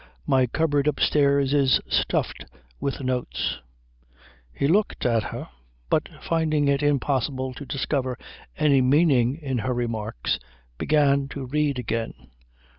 My cupboard upstairs is stuffed with notes." He looked at her, but finding it impossible to discover any meaning in her remarks began to read again.